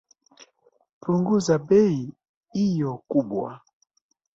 Punguzaga bei iyo kubwa.